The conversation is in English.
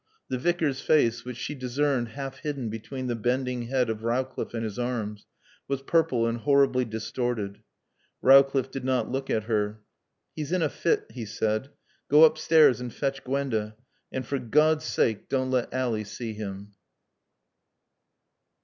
The Vicar's face, which she discerned half hidden between the bending head of Rowcliffe and his arms, was purple and horribly distorted. Rowcliffe did not look at her. "He's in a fit," he said. "Go upstairs and fetch Gwenda. And for God's sake don't let Ally see him."